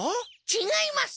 ちがいます！